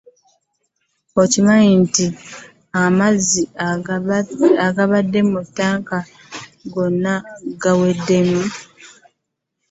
Okimanyi nti amazzi agabadde mu ttanka gonna gaweddemu.